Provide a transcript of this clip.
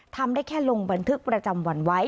ทำได้แค่ลงบันทึกประจำวันไว้